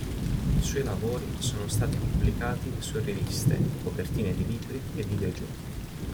I suoi lavori sono stati pubblicati su riviste, copertine di libri e videogiochi.